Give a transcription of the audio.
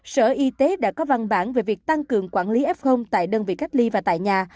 sở y tế đã có văn bản về việc tăng cường quản lý f tại đơn vị cách ly và tại nhà